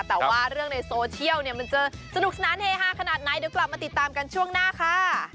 แต่ว่าเรื่องในโซเชียลเนี่ยมันจะสนุกสนานเฮฮาขนาดไหนเดี๋ยวกลับมาติดตามกันช่วงหน้าค่ะ